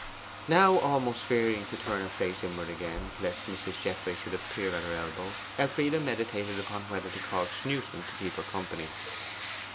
Now almost fearing to turn her face inwards again, lest Mrs. Jethway should appear at her elbow, Elfride meditated upon whether to call Snewson to keep her company.